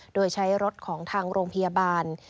โดยใช้รถของทางโรงพยาบาล